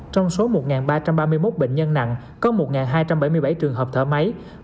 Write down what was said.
trong số một ba trăm ba mươi một bệnh nhân nặng có một hai trăm bảy mươi bảy trường hợp thở máy